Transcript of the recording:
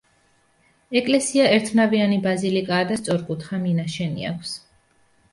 ეკლესია ერთნავიანი ბაზილიკაა და სწორკუთხა მინაშენი აქვს.